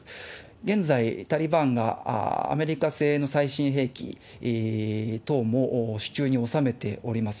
現在、タリバンがアメリカ製の最新兵器等も手中に収めております。